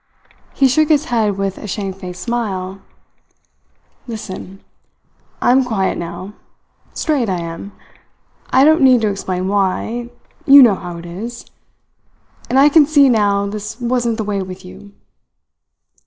He shook his head with a shamefaced smile. "Listen! I am quiet now. Straight I am. I don't need to explain why you know how it is. And I can see, now, this wasn't the way with you."